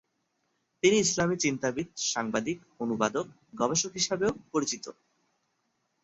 তিনি ইসলামী চিন্তাবিদ, সাংবাদিক, অনুবাদক, গবেষক হিসাবেও পরিচিত।